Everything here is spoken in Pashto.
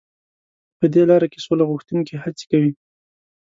په دې لاره کې سوله غوښتونکي هڅې کوي.